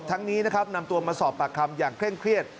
นี้นะครับนำตัวมาสอบปากคำอย่างเคร่งเครียด